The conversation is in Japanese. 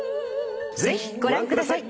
ぜひご覧ください。